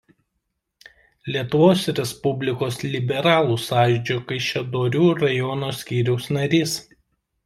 Lietuvos Respublikos liberalų sąjūdžio Kaišiadorių rajono skyriaus narys.